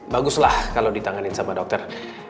baguslah kalau ditanganin sama dokter